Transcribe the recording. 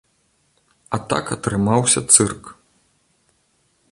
А так атрымаўся цырк.